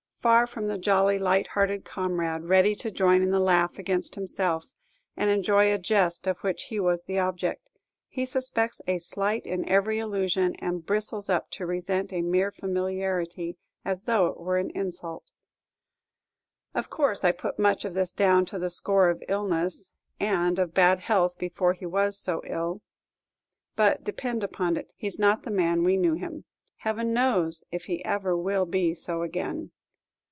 Far from the jolly, light hearted comrade, ready to join in the laugh against himself, and enjoy a jest of which he was the object, he suspects a slight in every allusion, and bristles up to resent a mere familiarity as though it were an insult. Of course I put much of this down to the score of illness, and of bad health before he was so ill; but, depend upon it, he's not the man we knew him. Heaven knows if he ever will be so again.